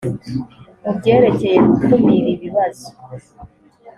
mu byerekeye gukumira ibibazo